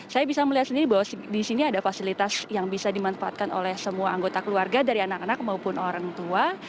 saya bisa melihat sendiri bahwa di sini ada fasilitas yang bisa dimanfaatkan oleh semua anggota keluarga dari anak anak maupun orang tua